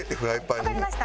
わかりました。